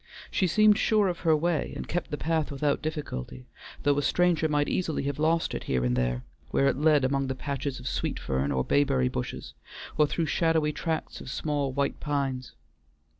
She seemed sure of her way, and kept the path without difficulty, though a stranger might easily have lost it here and there, where it led among the patches of sweet fern or bayberry bushes, or through shadowy tracts of small white pines.